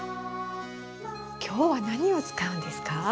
今日は何を使うんですか？